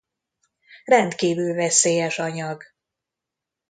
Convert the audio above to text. Rendkívül veszélyes anyag.